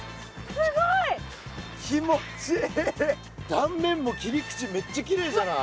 だんめんも切り口めっちゃきれいじゃない？